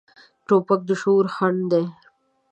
توپک د شعور خنډ دی.